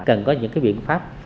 cần có những cái biện pháp